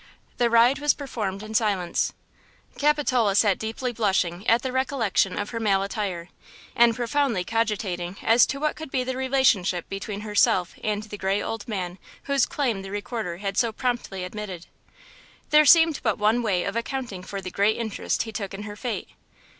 The ride was performed in silence. Capitola sat deeply blushing at the recollection of her male attire, and profoundly cogitating as to what could be the relationship between herself and the gray old man whose claim the Recorder had so promptly admitted. There seemed but one way of accounting for the great interest he took in her fate.